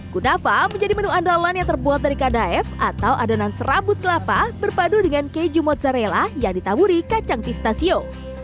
gunafa menjadi menu andalan yang terbuat dari kadaef atau adonan serabut kelapa berpadu dengan keju mozzarella yang ditaburi kacang pistachio